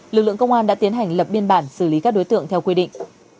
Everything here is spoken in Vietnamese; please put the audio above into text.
lực lượng công an đã tiến hành lập biên bản xử lý các đối tượng theo quy định